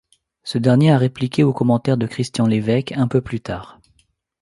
Ce dernier a répliqué aux commentaires de Christian Lévesque un peu plus tard.